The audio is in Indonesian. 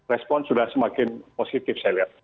respon sudah semakin positif saya lihat